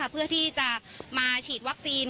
เพื่อที่จะมาฉีดวัคซีน